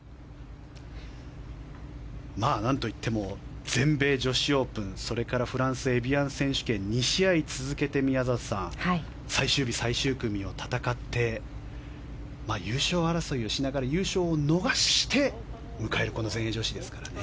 何といっても全米女子オープンそれからフランスエビアン選手権２試合続けて宮里さん最終日、最終組を戦って優勝争いをしながら優勝を逃して迎える全英女子ですから。